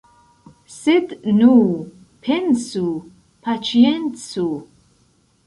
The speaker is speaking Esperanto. Sed nu, pensu, paĉiencu.